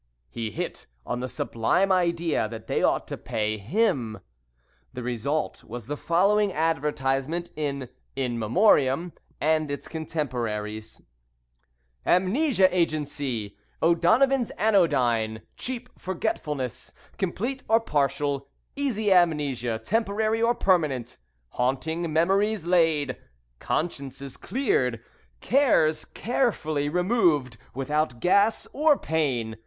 He hit on the sublime idea that they ought to pay him. The result was the following advertisement in In Memoriam and its contemporaries: AMNESIA AGENCY! O'Donovan's Anodyne. Cheap Forgetfulness Complete or Partial. Easy Amnesia Temporary or Permanent. Haunting Memories Laid! Consciences Cleared. Cares carefully Removed without Gas or Pain.